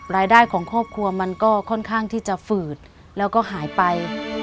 รายได้ของครอบครัวมันก็ค่อนข้างที่จะฝืดแล้วก็หายไป